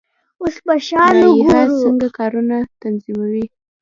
لایحه څنګه کارونه تنظیموي؟